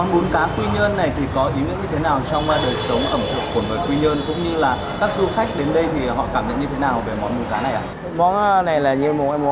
bún cá quy nhơn này có ý nghĩa như thế nào trong đời sống ẩm thực của người quy nhơn